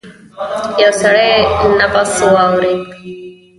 يو سړی نبض واورېد.